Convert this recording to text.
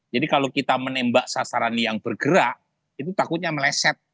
jadi kalau kita menembak sasaran yang bergerak itu takutnya meleset